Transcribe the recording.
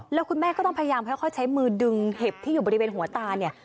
แล้วคุณแม่ก็ต้องพยายามค่อยใช้มือดึงเห็บที่อยู่บริเวณหัวตาเนี่ย